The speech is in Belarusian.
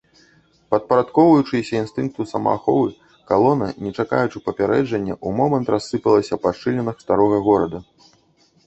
Падпарадкоўваючыся інстынкту самааховы, калона, не чакаючы папярэджання, у момант рассыпалася па шчылінах старога горада.